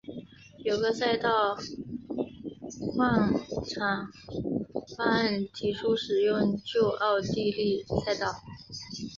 有个赛道扩展方案提出使用旧奥地利赛道。